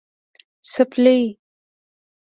🩴څپلۍ